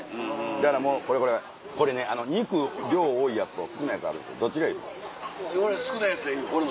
だからもうこれこれこれね肉量多いやつと少ないやつあるんですどっちがいいですか？